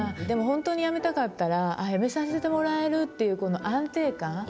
でも本当にやめたかったらやめさせてもらえるっていうこの安定感。